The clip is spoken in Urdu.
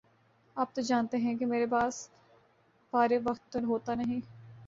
آپ تو جانتے ہیں کہ میرے باس فارغ وقت تو ہوتا نہیں